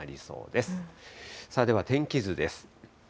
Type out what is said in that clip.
では、天気図です。